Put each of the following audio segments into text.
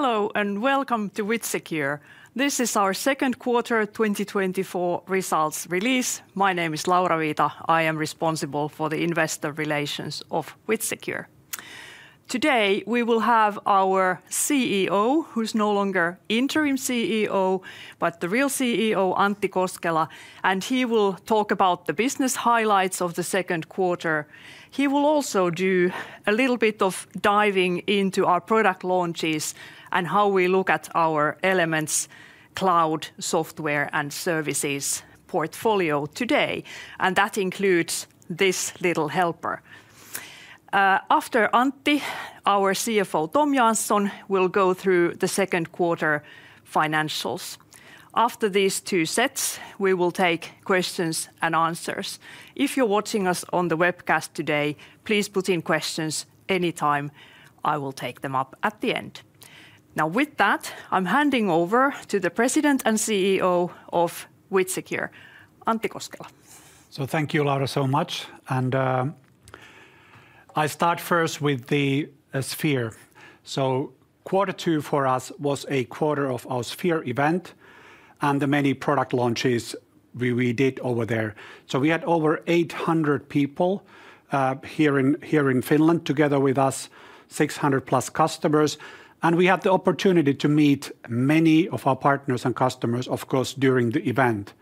Hello, and welcome to WithSecure. This is our second quarter 2024 results release. My name is Laura Viita. I am responsible for the investor relations of WithSecure. Today, we will have our CEO, who's no longer interim CEO, but the real CEO, Antti Koskela, and he will talk about the business highlights of the second quarter. He will also do a little bit of diving into our product launches and how we look at our Elements Cloud software and services portfolio today, and that includes this little helper. After Antti, our CFO, Tom Jansson, will go through the second quarter financials. After these two sets, we will take questions and answers. If you're watching us on the webcast today, please put in questions anytime. I will take them up at the end. Now, with that, I'm handing over to the President and CEO of WithSecure, Antti Koskela. So thank you, Laura, so much, and I start first with the Sphere. So quarter two for us was a quarter of our Sphere event and the many product launches we did over there. So we had over 800 people here in Finland, together with us, 600+ customers, and we had the opportunity to meet many of our partners and customers, of course, during the event.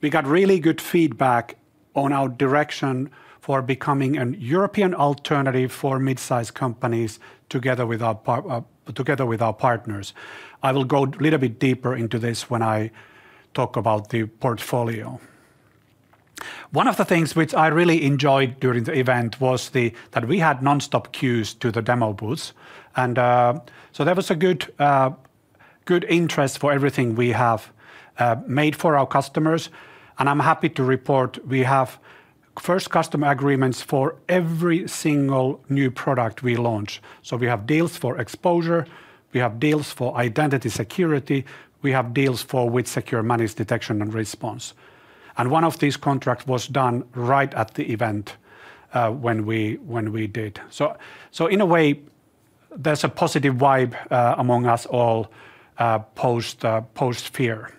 We got really good feedback on our direction for becoming an European alternative for mid-sized companies, together with our partners. I will go a little bit deeper into this when I talk about the portfolio. One of the things which I really enjoyed during the event was that we had nonstop queues to the demo booths, and so there was good interest for everything we have made for our customers, and I'm happy to report we have first customer agreements for every single new product we launch. So we have deals for exposure, we have deals for Identity Security, we have deals for WithSecure Managed Detection and Response, and one of these contracts was done right at the event when we did. So in a way, there's a positive vibe among us all post-Sphere.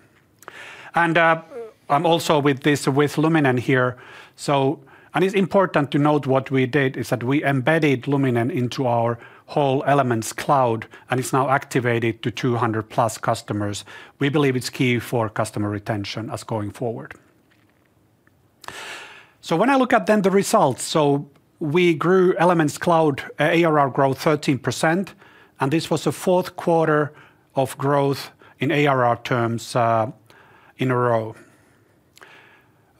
And I'm also with this, with Luminen here, so... And it's important to note what we did is that we embedded Luminen into our whole Elements Cloud, and it's now activated to 200+ customers. We believe it's key for customer retention as going forward. So when I look at then the results, so we grew Elements Cloud ARR growth 13%, and this was the fourth quarter of growth in ARR terms, in a row.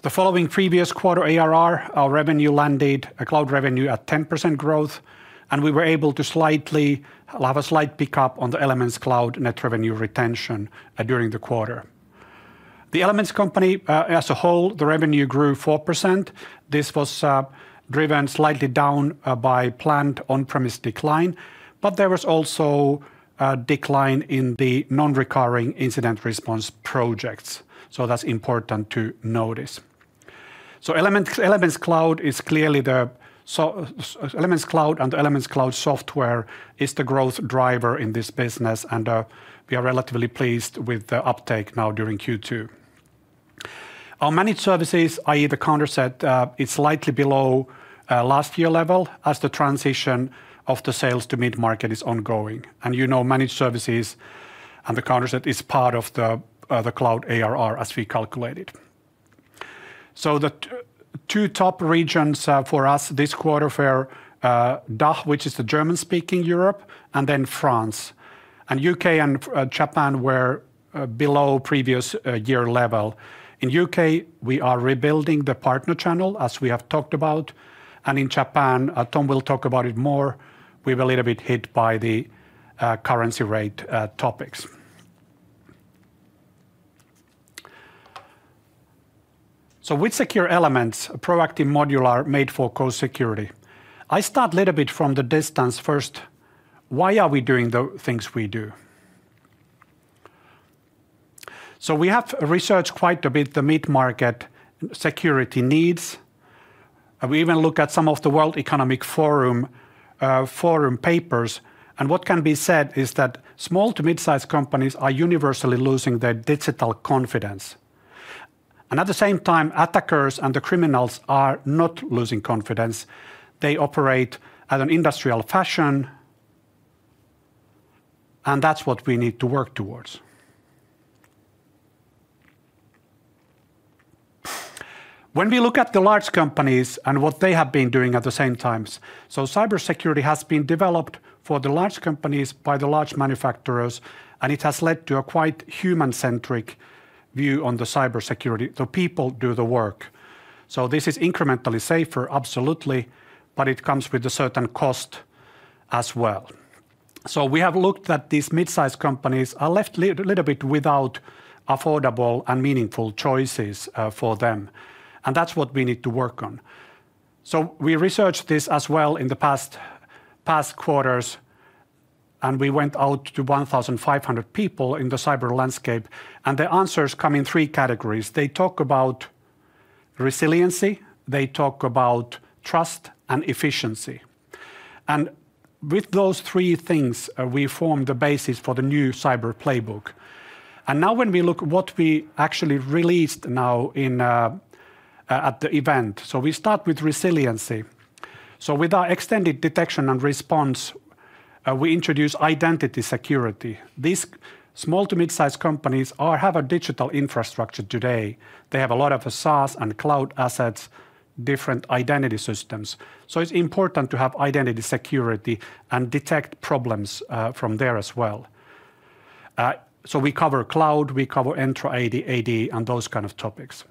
The following previous quarter ARR, our revenue landed a cloud revenue at 10% growth, and we were able to slightly, have a slight pick-up on the Elements Cloud net revenue retention, during the quarter. The Elements company, as a whole, the revenue grew 4%. This was, driven slightly down, by planned on-premises decline, but there was also a decline in the non-recurring incident response projects, so that's important to notice. So Elements, Elements Cloud is clearly the Elements Cloud and Elements Cloud software is the growth driver in this business, and, we are relatively pleased with the uptake now during Q2. Our managed services, i.e., the Countercept, is slightly below last year level as the transition of the sales to mid-market is ongoing. And, you know, managed services and the Countercept is part of the cloud ARR, as we calculate it. So the two top regions for us this quarter were DACH, which is the German-speaking Europe, and then France. And U.K. and Japan were below previous year level. In U.K., we are rebuilding the partner channel, as we have talked about, and in Japan, Tom will talk about it more, we were a little bit hit by the currency rate topics. So WithSecure Elements, a proactive module are made for co-security. I start a little bit from the distance first. Why are we doing the things we do? So we have researched quite a bit the mid-market security needs, and we even look at some of the World Economic Forum forum papers, and what can be said is that small to mid-sized companies are universally losing their digital confidence. And at the same time, attackers and the criminals are not losing confidence. They operate at an industrial fashion, and that's what we need to work towards. When we look at the large companies and what they have been doing at the same times, so cybersecurity has been developed for the large companies by the large manufacturers, and it has led to a quite human-centric view on the cybersecurity, the people do the work. So this is incrementally safer, absolutely, but it comes with a certain cost as well. So we have looked at these mid-sized companies are left a little bit without affordable and meaningful choices for them, and that's what we need to work on. So we researched this as well in the past quarters, and we went out to 1,500 people in the cyber landscape, and the answers come in three categories. They talk about resiliency, they talk about trust and efficiency. And with those three things, we form the basis for the new cyber playbook. And now when we look at what we actually released now at the event, so we start with resiliency. So with our extended detection and response, we introduce Identity Security. These small to mid-size companies have a digital infrastructure today. They have a lot of SaaS and cloud assets, different identity systems. So it's important to have Identity Security and detect problems from there as well. So we cover cloud, we cover Entra ID, AD, and those kind of topics.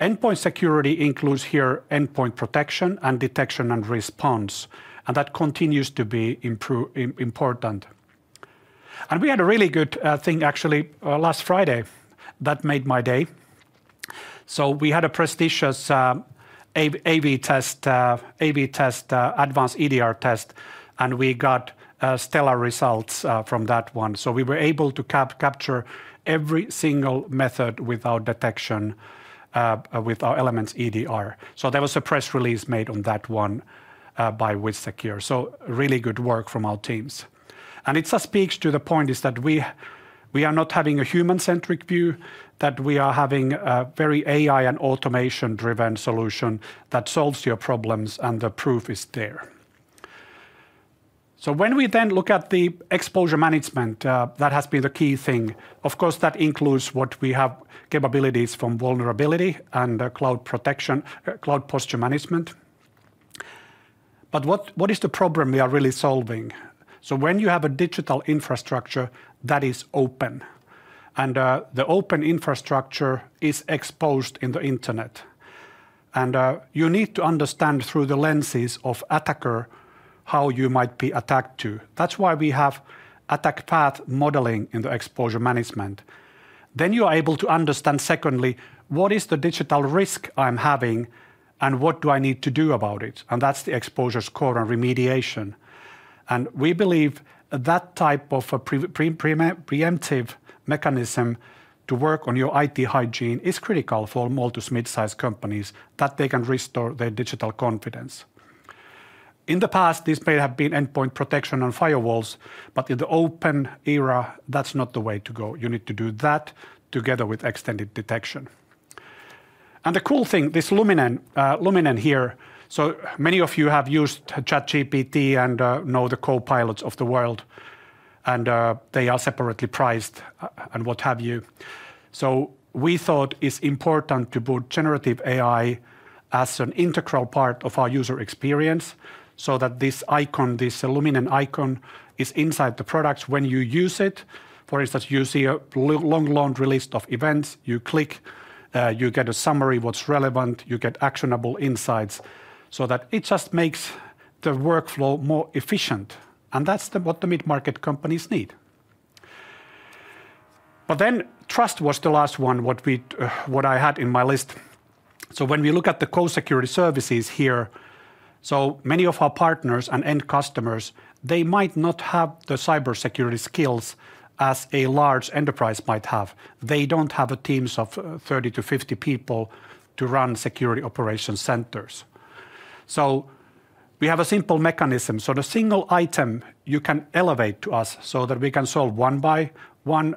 Endpoint security includes here endpoint protection and detection and response, and that continues to be important. And we had a really good thing, actually, last Friday, that made my day. So we had a prestigious AV-Test advanced EDR test, and we got stellar results from that one. So we were able to capture every single method with our detection with our Elements EDR. So there was a press release made on that one by WithSecure. So really good work from our teams. It just speaks to the point is that we, we are not having a human-centric view, that we are having a very AI and automation-driven solution that solves your problems, and the proof is there. So when we then look at the exposure management, that has been the key thing. Of course, that includes what we have capabilities from vulnerability and cloud protection, cloud posture management. But what, what is the problem we are really solving? So when you have a digital infrastructure that is open, and, the open infrastructure is exposed in the internet, and, you need to understand through the lenses of attacker, how you might be attacked, too. That's why we have attack path modeling in the exposure management. Then you are able to understand, secondly, what is the digital risk I'm having, and what do I need to do about it? That's the exposure score and remediation. We believe that type of a preemptive mechanism to work on your IT hygiene is critical for small to mid-size companies, that they can restore their digital confidence. In the past, this may have been endpoint protection on firewalls, but in the open era, that's not the way to go. You need to do that together with extended detection. The cool thing, this Luminen here, so many of you have used ChatGPT and know the Copilots of the world, and they are separately priced, and what have you. We thought it's important to put generative AI as an integral part of our user experience, so that this icon, this Luminen icon, is inside the product. When you use it, for instance, you see a long list of events. You click, you get a summary of what's relevant, you get actionable insights, so that it just makes the workflow more efficient, and that's what the mid-market companies need. But then, trust was the last one, what we, what I had in my list. So when we look at the core security services here, so many of our partners and end customers, they might not have the cybersecurity skills as a large enterprise might have. They don't have the teams of 30 to 50 people to run security operation centers. So we have a simple mechanism. So the single item you can elevate to us so that we can solve one by one,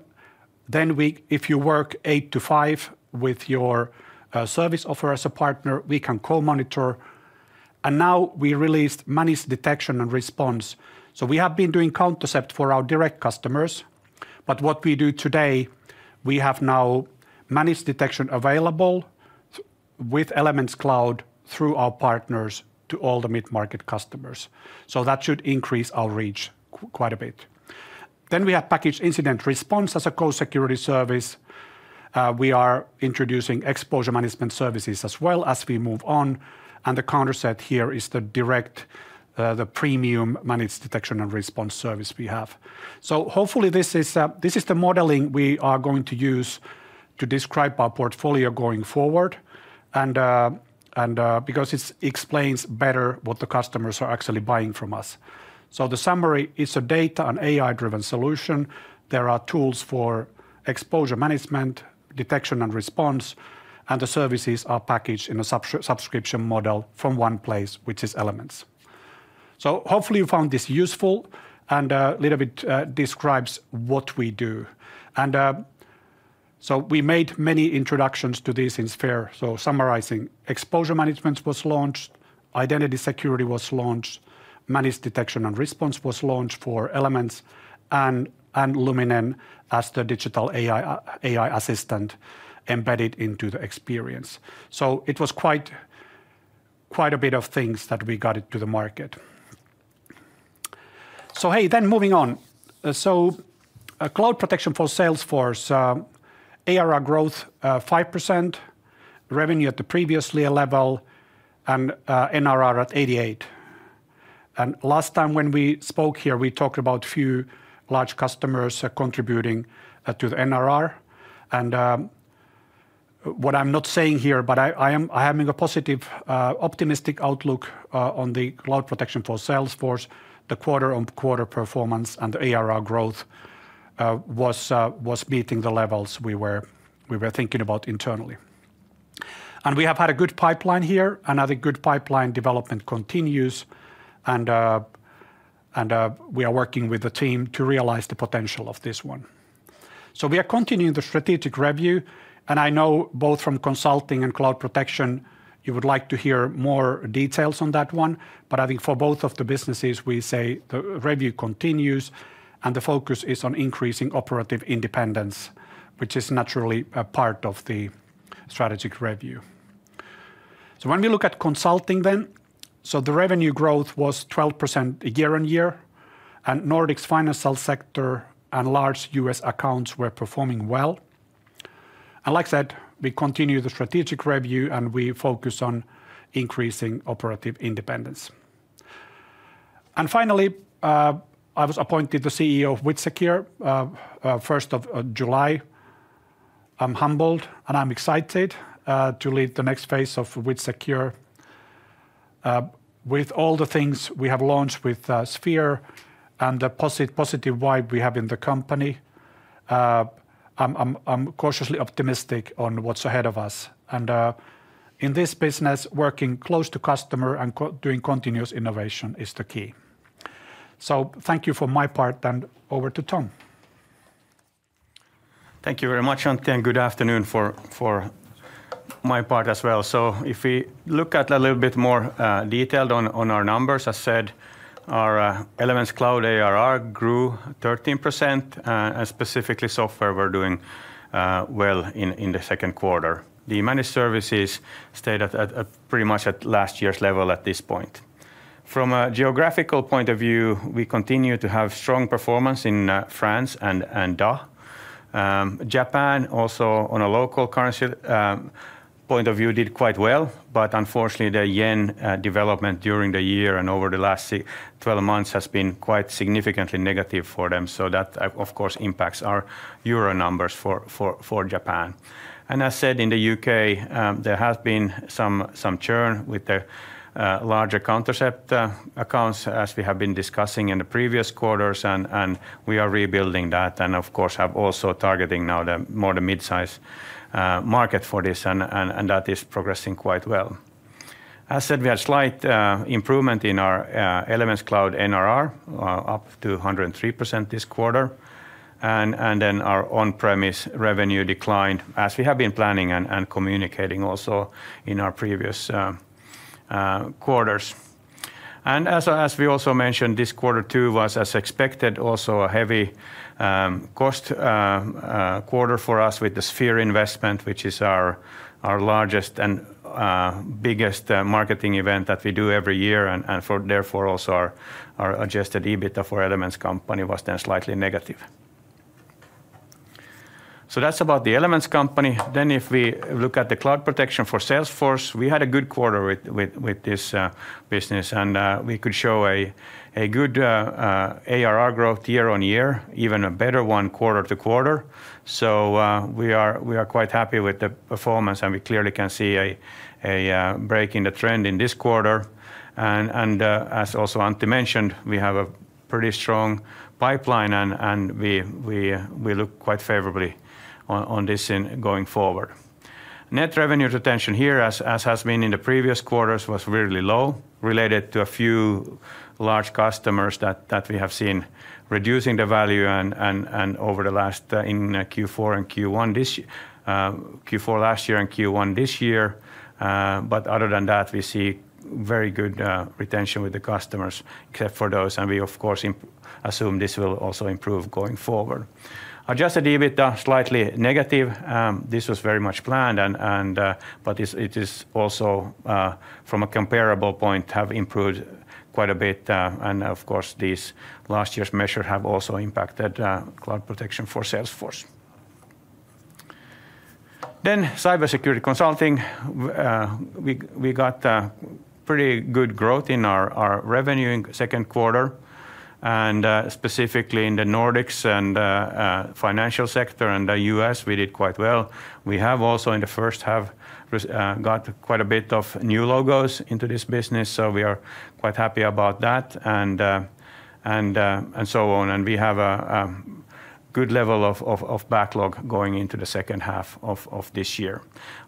then we... If you work eight to five with your service offer as a partner, we can co-monitor. And now, we released Managed Detection and Response. So we have been doing Countercept for our direct customers, but what we do today, we have now managed detection available with Elements Cloud through our partners to all the mid-market customers, so that should increase our reach quite a bit. Then we have packaged incident response as a core security service. We are introducing exposure management services as well as we move on, and the Countercept here is the direct, the premium Managed Detection and Response service we have. So hopefully, this is the modeling we are going to use to describe our portfolio going forward, and because it explains better what the customers are actually buying from us. So the summary is a data and AI-driven solution. There are tools for exposure management, detection and response, and the services are packaged in a subscription model from one place, which is Elements. So hopefully, you found this useful, and little bit describes what we do. And so we made many introductions to this in Sphere. So summarizing: Exposure management was launched, Identity Security was launched, Managed Detection and Response was launched for Elements, and Luminen as the digital AI assistant embedded into the experience. So it was quite a bit of things that we got into the market. So hey, then moving on. So Cloud Protection for Salesforce, ARR growth 5%, revenue at the previous level, and NRR at 88%. And last time when we spoke here, we talked about few large customers contributing to the NRR. What I'm not saying here, but I am in a positive optimistic outlook on the Cloud Protection for Salesforce, the quarter-on-quarter performance and the ARR growth was beating the levels we were thinking about internally. And we have had a good pipeline here, another good pipeline development continues, and we are working with the team to realize the potential of this one. So we are continuing the strategic review, and I know both from consulting and cloud protection, you would like to hear more details on that one. But I think for both of the businesses, we say the review continues, and the focus is on increasing operative independence, which is naturally a part of the strategic review. So when we look at consulting then, the revenue growth was 12% year-on-year, and Nordics financial sector and large U.S. accounts were performing well. And like I said, we continue the strategic review, and we focus on increasing operative independence. And finally, I was appointed the CEO of WithSecure first of July. I'm humbled, and I'm excited to lead the next phase of WithSecure. With all the things we have launched with Sphere and the positive vibe we have in the company, I'm cautiously optimistic on what's ahead of us. And in this business, working close to customer and doing continuous innovation is the key. So thank you for my part, and over to Tom. Thank you very much, Antti, and good afternoon for my part as well. So if we look at a little bit more detailed on our numbers, as said, our Elements Cloud ARR grew 13%, and specifically software, we're doing well in the second quarter. The managed services stayed at pretty much at last year's level at this point. From a geographical point of view, we continue to have strong performance in France and DACH. Japan, also on a local currency point of view, did quite well, but unfortunately, the yen development during the year and over the last twelve months has been quite significantly negative for them. So that, of course, impacts our euro numbers for Japan. As said, in the U.K., there has been some churn with the larger Countercept accounts, as we have been discussing in the previous quarters, and we are rebuilding that, and of course, have also targeting now the more the mid-size market for this, and that is progressing quite well. As said, we had slight improvement in our Elements Cloud NRR, up to 103% this quarter. Then our on-premise revenue declined, as we have been planning and communicating also in our previous quarters. And as we also mentioned, this quarter, too, was, as expected, also a heavy cost quarter for us with the Sphere investment, which is our largest and biggest marketing event that we do every year, and therefore also our adjusted EBITDA for Elements company was then slightly negative. So that's about the Elements company. Then, if we look at the Cloud Protection for Salesforce, we had a good quarter with this business, and we could show a good ARR growth year-on-year, even a better one quarter-to-quarter. So, we are quite happy with the performance, and we clearly can see a break in the trend in this quarter. As also Antti mentioned, we have a pretty strong pipeline, and we look quite favorably on this going forward. Net Revenue Retention here, as has been in the previous quarters, was really low, related to a few large customers that we have seen reducing the value and over the last in Q4 last year and Q1 this year. But other than that, we see very good retention with the customers, except for those, and we, of course, assume this will also improve going forward. Adjusted EBITDA, slightly negative. This was very much planned and, but it is also, from a comparable point, have improved quite a bit, and of course, this last year's measure have also impacted, Cloud Protection for Salesforce. Then cybersecurity consulting, we got a pretty good growth in our revenue in second quarter, and specifically in the Nordics and financial sector in the U.S., we did quite well. We have also, in the first half, got quite a bit of new logos into this business, so we are quite happy about that, and so on. We have a good level of backlog going into the second half of this year.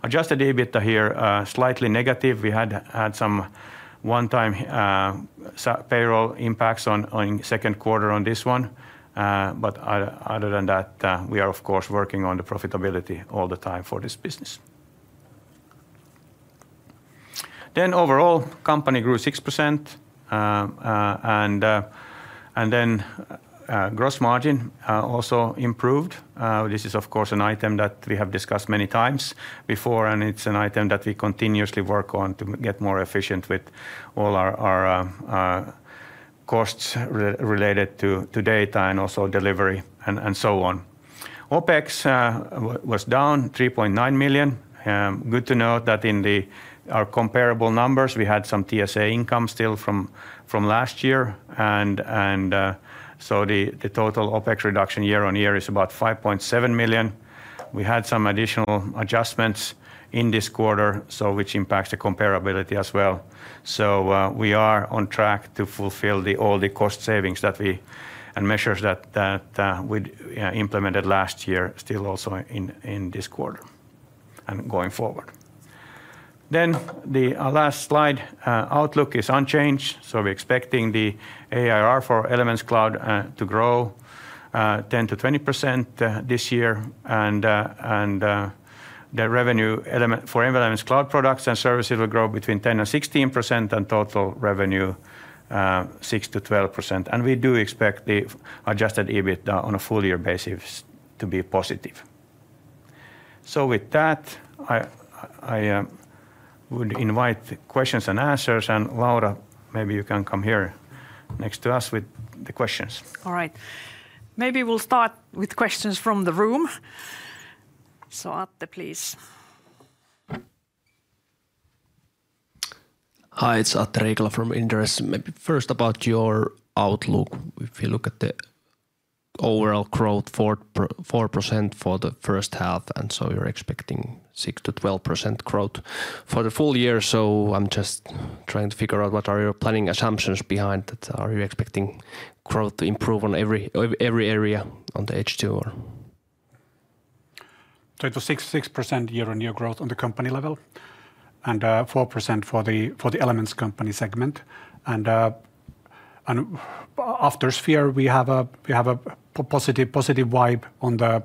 Adjusted EBITDA here, slightly negative. We had some one-time payroll impacts on second quarter on this one, but other than that, we are, of course, working on the profitability all the time for this business. Then overall, company grew 6%, and then gross margin also improved. This is, of course, an item that we have discussed many times before, and it's an item that we continuously work on to get more efficient with all our costs related to data and also delivery and so on. OpEx was down 3.9 million. Good to note that in our comparable numbers, we had some TSA income still from last year, and so the total OpEx reduction year-over-year is about 5.7 million. We had some additional adjustments in this quarter, so which impacts the comparability as well. We are on track to fulfill all the cost savings and measures that we implemented last year, still also in this quarter.... and going forward. Then the last slide, outlook is unchanged, so we're expecting the ARR for Elements Cloud to grow 10%-20% this year. And the revenue element for Elements Cloud products and services will grow between 10% and 16%, and total revenue 6%-12%. And we do expect the adjusted EBIT on a full-year basis to be positive. So with that, I would invite questions and answers. And, Laura, maybe you can come here next to us with the questions. All right. Maybe we'll start with questions from the room. So Atte, please. Hi, it's Atte Riikola from Inderes. Maybe first about your outlook, if you look at the overall growth, 4% for the first half, and so you're expecting 6%-12% growth for the full year. So I'm just trying to figure out what are your planning assumptions behind that. Are you expecting growth to improve on every area on the H2, or? So it was 6% year-on-year growth on the company level, and 4% for the Elements Company segment. And after Sphere, we have a positive vibe on the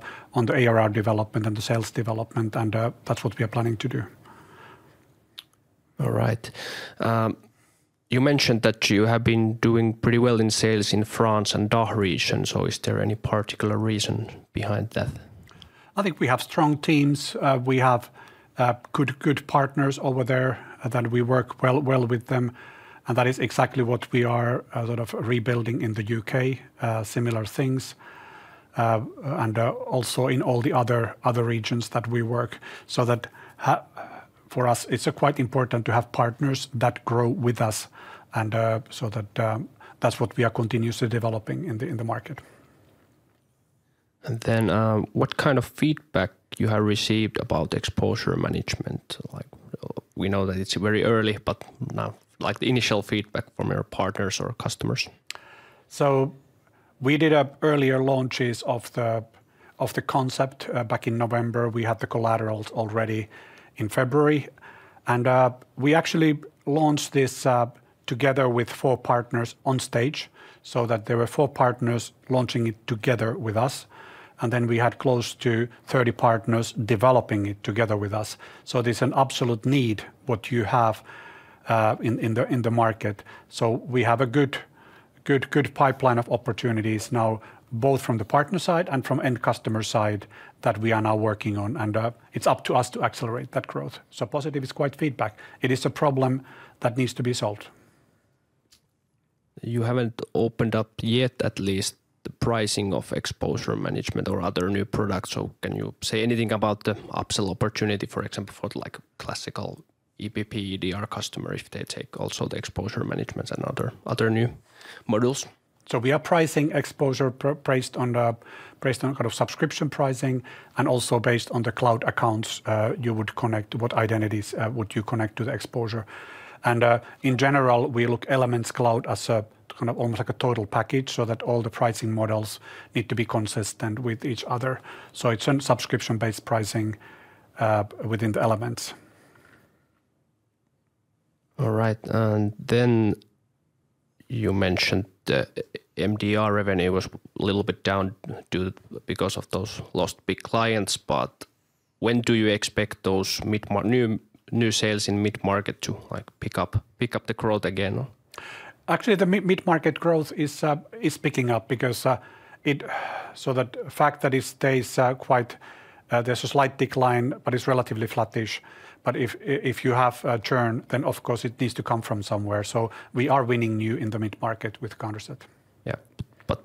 ARR development and the sales development, and that's what we are planning to do. All right. You mentioned that you have been doing pretty well in sales in France and DACH region, so is there any particular reason behind that? I think we have strong teams. We have good partners over there, and that we work well with them, and that is exactly what we are sort of rebuilding in the U.K., similar things, and also in all the other regions that we work. So that for us, it's quite important to have partners that grow with us, and so that's what we are continuously developing in the market. And then, what kind of feedback you have received about exposure management? Like, we know that it's very early, but now, like, the initial feedback from your partners or customers. So we did earlier launches of the concept back in November. We had the collaterals already in February. We actually launched this together with 4 partners on stage, so that there were 4 partners launching it together with us, and then we had close to 30 partners developing it together with us. So there's an absolute need what you have in the market. So we have a good, good, good pipeline of opportunities now, both from the partner side and from end customer side, that we are now working on, and it's up to us to accelerate that growth. So positive is quite feedback. It is a problem that needs to be solved. You haven't opened up yet, at least, the pricing of exposure management or other new products, so can you say anything about the upsell opportunity, for example, for, like, classical EPP, EDR customer, if they take also the exposure management and other new models? So we are pricing exposure based on the, based on kind of subscription pricing and also based on the cloud accounts, you would connect... what identities, would you connect to the exposure. And, in general, we look Elements Cloud as a kind of almost like a total package, so that all the pricing models need to be consistent with each other. So it's an subscription-based pricing, within the Elements. All right. And then you mentioned the MDR revenue was a little bit down due to those lost big clients, but when do you expect those mid-market new sales in mid-market to, like, pick up the growth again? Actually, the mid-market growth is picking up because it... So the fact that it stays quite, there's a slight decline, but it's relatively flattish. But if you have a churn, then of course it needs to come from somewhere. So we are winning new in the mid-market with Countercept. Yeah, but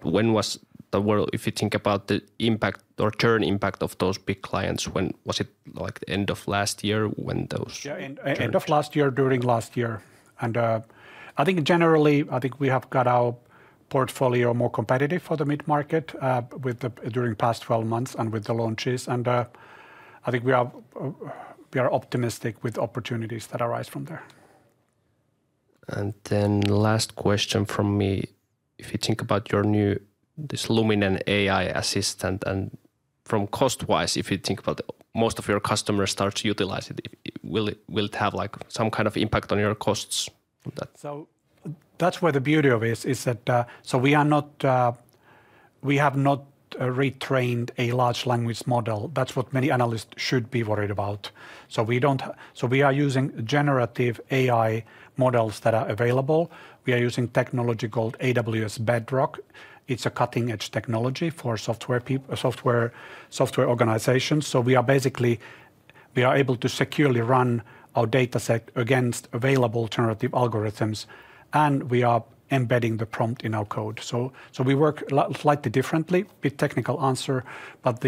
if you think about the impact or churn impact of those big clients, was it, like, the end of last year when those changed? Yeah, end of last year during last year. I think generally, I think we have got our portfolio more competitive for the mid-market, with the during the past 12 months and with the launches, and I think we are optimistic with opportunities that arise from there. And then last question from me. If you think about your new this Luminen AI assistant, and from cost-wise, if you think about most of your customers start to utilize it, will it have, like, some kind of impact on your costs for that? So that's where the beauty of it is, is that, so we are not, we have not, retrained a large language model. That's what many analysts should be worried about. So we don't... So we are using generative AI models that are available. We are using technology called AWS Bedrock. It's a cutting-edge technology for software organizations. So we are basically, we are able to securely run our dataset against available alternative algorithms, and we are embedding the prompt in our code. So, so we work slightly differently, a bit technical answer, but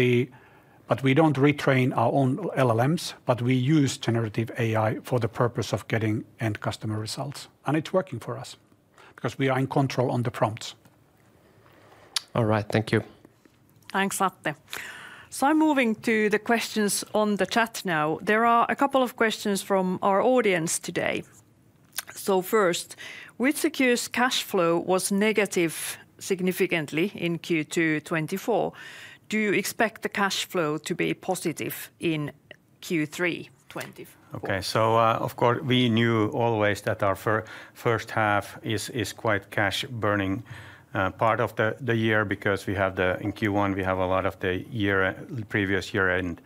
but we don't retrain our own LLMs, but we use generative AI for the purpose of getting end-customer results, and it's working for us, because we are in control on the prompts. All right. Thank you. Thanks, Atte. So I'm moving to the questions on the chat now. There are a couple of questions from our audience today.... So first, WithSecure's cash flow was negative significantly in Q2 2024. Do you expect the cash flow to be positive in Q3 2024? Okay, so, of course, we knew always that our first half is quite cash burning part of the year because we have in Q1, we have a lot of the year previous year-end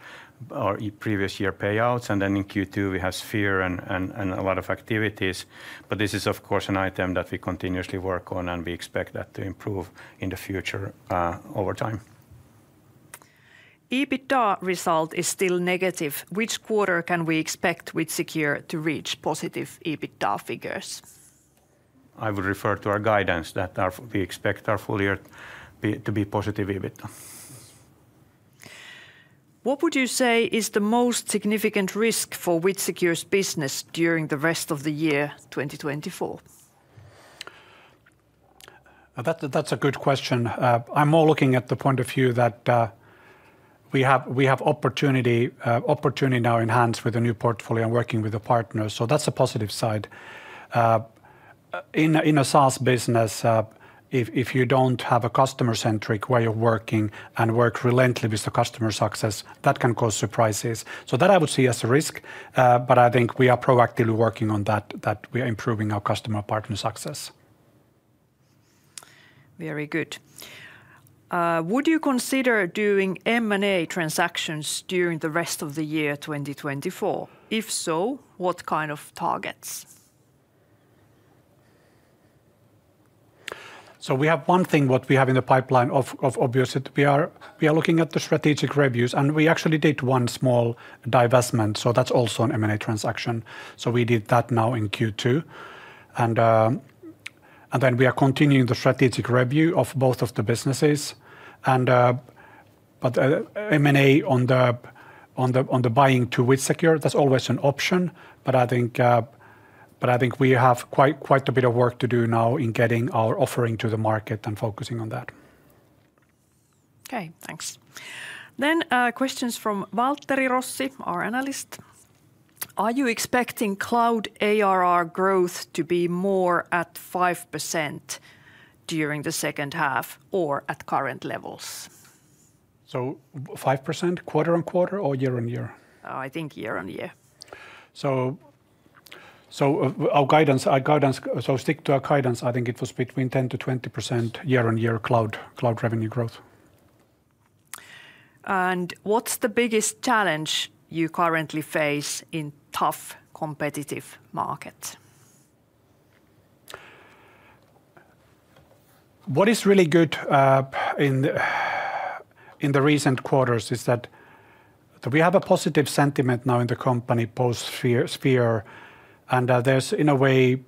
or previous year payouts, and then in Q2 we have Sphere and a lot of activities. But this is, of course, an item that we continuously work on, and we expect that to improve in the future over time. EBITDA result is still negative. Which quarter can we expect WithSecure to reach positive EBITDA figures? I would refer to our guidance that we expect our full year to be positive EBITDA. What would you say is the most significant risk for WithSecure's business during the rest of the year 2024? That, that's a good question. I'm more looking at the point of view that we have opportunity now in hands with a new portfolio and working with the partners, so that's a positive side. In a SaaS business, if you don't have a customer-centric way of working and work relentlessly with the customer success, that can cause surprises. So that I would see as a risk, but I think we are proactively working on that, that we are improving our customer partner success. Very good. Would you consider doing M&A transactions during the rest of the year 2024? If so, what kind of targets? So we have one thing what we have in the pipeline, obviously, we are looking at the strategic reviews, and we actually did one small divestment, so that's also an M&A transaction, so we did that now in Q2. And then we are continuing the strategic review of both of the businesses. But M&A on the buying to WithSecure, that's always an option, but I think we have quite a bit of work to do now in getting our offering to the market and focusing on that. Okay, thanks. Then, questions from Waltteri Rossi, our analyst. Are you expecting cloud ARR growth to be more at 5% during the second half or at current levels? 5% quarter-on-quarter or year-on-year? I think year-over-year. Our guidance, so stick to our guidance. I think it was between 10%-20% year-on-year cloud revenue growth. What's the biggest challenge you currently face in a tough, competitive market? What is really good in the recent quarters is that we have a positive sentiment now in the company post Sphere, and there's, in a way,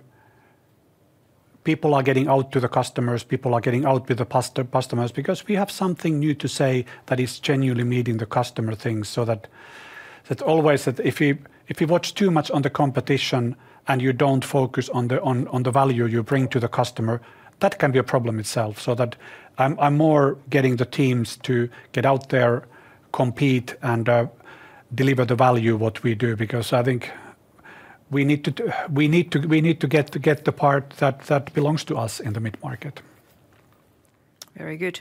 people are getting out to the customers, people are getting out with the customers because we have something new to say that is genuinely meeting the customer things. So that's always that if you watch too much on the competition, and you don't focus on the value you bring to the customer, that can be a problem itself. So I'm more getting the teams to get out there, compete, and deliver the value what we do because I think we need to get the part that belongs to us in the mid-market. Very good.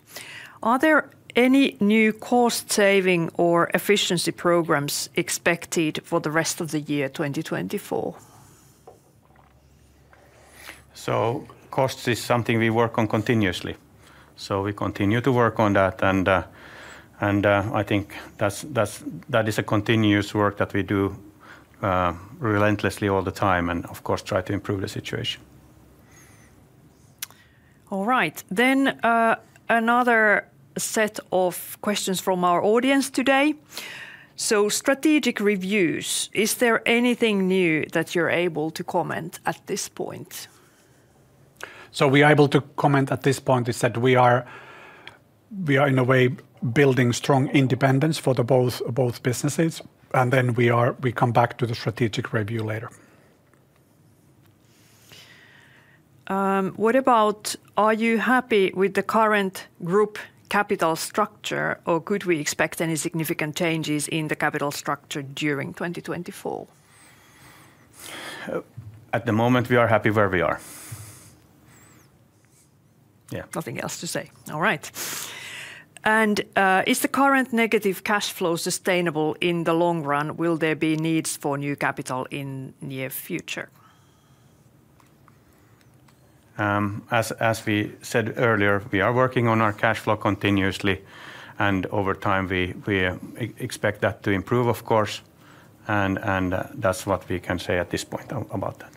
Are there any new cost-saving or efficiency programs expected for the rest of the year 2024? Costs is something we work on continuously, so we continue to work on that, and I think that is a continuous work that we do relentlessly all the time, and of course, try to improve the situation. All right. Then, another set of questions from our audience today. So, strategic reviews, is there anything new that you're able to comment at this point? So we are able to comment at this point is that we are in a way building strong independence for the both businesses, and then we come back to the strategic review later. What about, are you happy with the current group capital structure, or could we expect any significant changes in the capital structure during 2024? At the moment, we are happy where we are. Yeah. Nothing else to say. All right. And is the current negative cash flow sustainable in the long run? Will there be needs for new capital in near future? As we said earlier, we are working on our cash flow continuously, and over time, we expect that to improve, of course, and that's what we can say at this point about that.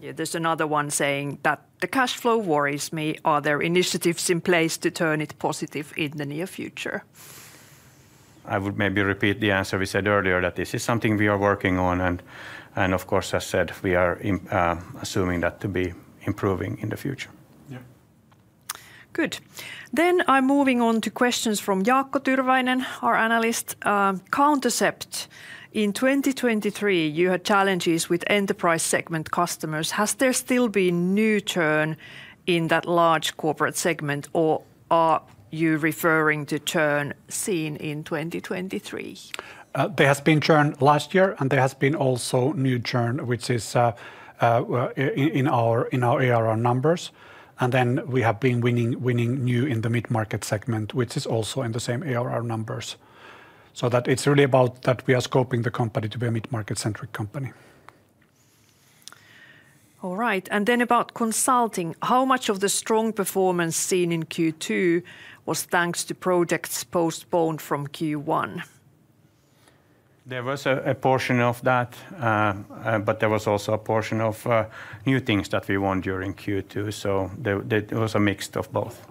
Yeah, there's another one saying that the cash flow worries me. Are there initiatives in place to turn it positive in the near future? I would maybe repeat the answer we said earlier, that this is something we are working on, and, and of course, as said, we are assuming that to be improving in the future. Yeah. Good. Then I'm moving on to questions from Jaakko Tyrväinen, our analyst. Countercept, in 2023, you had challenges with enterprise segment customers. Has there still been new churn in that large corporate segment, or are you referring to churn seen in 2023? There has been churn last year, and there has been also new churn, which is in our ARR numbers, and then we have been winning new in the mid-market segment, which is also in the same ARR numbers. So that it's really about that we are scoping the company to be a mid-market-centric company.... All right, and then about consulting, how much of the strong performance seen in Q2 was thanks to projects postponed from Q1? There was a portion of that, but there was also a portion of new things that we won during Q2, so there was a mix of both.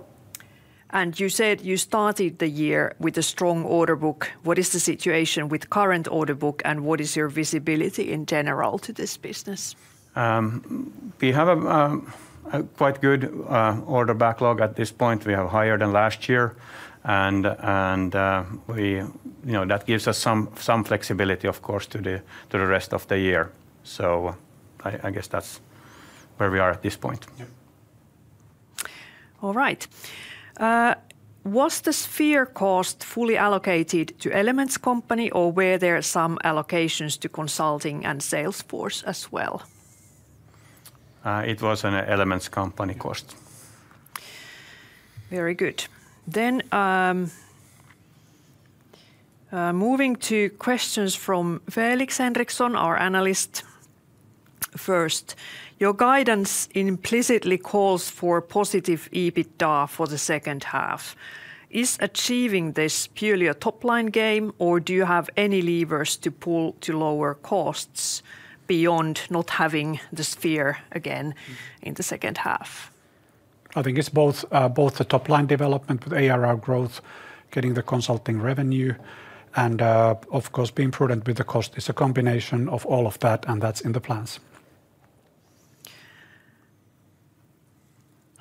You said you started the year with a strong order book. What is the situation with current order book, and what is your visibility in general to this business? We have a quite good order backlog at this point. We are higher than last year. You know, that gives us some flexibility, of course, to the rest of the year. So I guess that's where we are at this point. Yep. All right. Was the Sphere cost fully allocated to Elements company, or were there some allocations to consulting and Salesforce as well? It was an Elements company cost. Very good. Then, moving to questions from Felix Henriksson, our analyst. First, your guidance implicitly calls for positive EBITDA for the second half. Is achieving this purely a top-line game, or do you have any levers to pull to lower costs beyond not having the Sphere again in the second half? I think it's both, both the top-line development with ARR growth, getting the consulting revenue, and, of course, being prudent with the cost. It's a combination of all of that, and that's in the plans.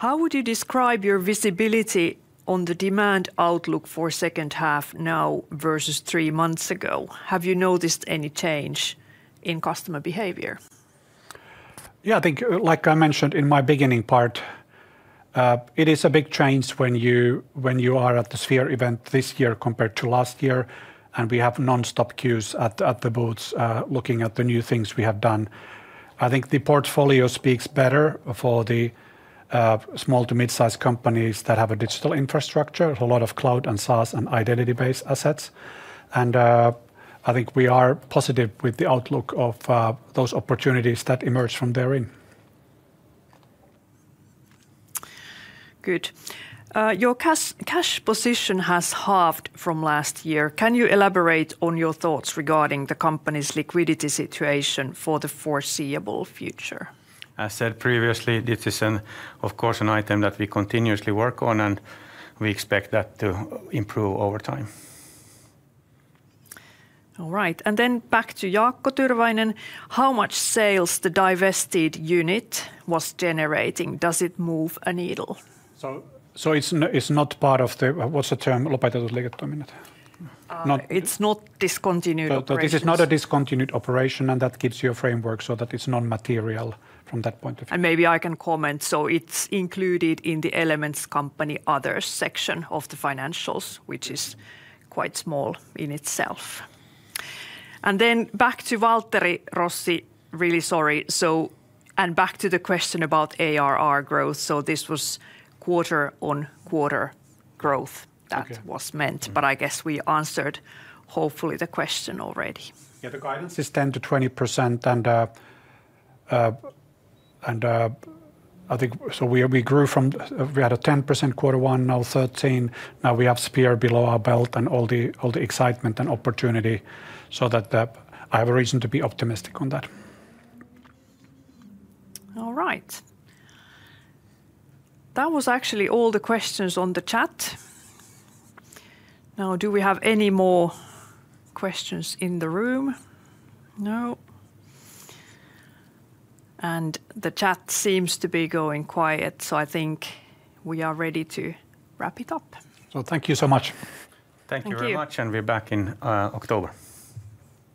How would you describe your visibility on the demand outlook for second half now versus three months ago? Have you noticed any change in customer behavior? Yeah, I think, like I mentioned in my beginning part, it is a big change when you, when you are at the Sphere event this year compared to last year, and we have nonstop queues at, at the booths, looking at the new things we have done. I think the portfolio speaks better for the, small to mid-size companies that have a digital infrastructure, a lot of cloud and SaaS and identity-based assets. And, I think we are positive with the outlook of, those opportunities that emerge from therein. Good. Your cash, cash position has halved from last year. Can you elaborate on your thoughts regarding the company's liquidity situation for the foreseeable future? As said previously, this is, of course, an item that we continuously work on, and we expect that to improve over time. All right, and then back to Jaakko Tyrväinen, how much sales the divested unit was generating? Does it move a needle? So, it's not part of the... What's the term? It's not discontinued operations. This is not a discontinued operation, and that gives you a framework so that it's non-material from that point of view. Maybe I can comment. So it's included in the Elements company other section of the financials, which is quite small in itself. And then back to Waltteri Rossi, really sorry, so... And back to the question about ARR growth, so this was quarter-on-quarter growth- Okay... that was meant, but I guess we answered, hopefully, the question already. Yeah, the guidance is 10%-20%, and I think so we grew from—we had a 10% quarter one, now 13%. Now we have Sphere below our belt and all the excitement and opportunity, so that I have a reason to be optimistic on that. All right. That was actually all the questions on the chat. Now, do we have any more questions in the room? No. And the chat seems to be going quiet, so I think we are ready to wrap it up. Thank you so much. Thank you very much. Thank you. We're back in October.